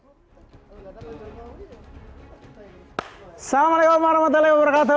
assalamualaikum warahmatullahi wabarakatuh